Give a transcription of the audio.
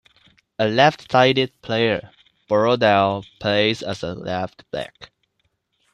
A left-sided player, Borrowdale plays as a left-back.